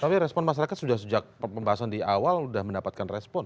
tapi respon masyarakat sudah sejak pembahasan di awal sudah mendapatkan respon